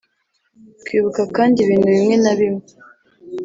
Kwibuka kandi ibintu bimwe na bimwe